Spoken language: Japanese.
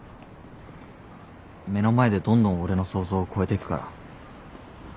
目の前でどんどん俺の想像を超えていくから。